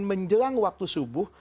menjelang waktu subuh